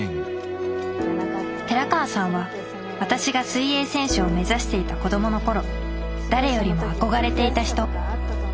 寺川さんは私が水泳選手を目指していた子供の頃誰よりも憧れていた人。